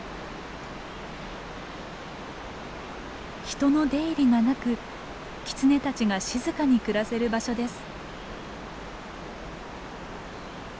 人の出入りがなくキツネたちが静かに暮らせる場所です。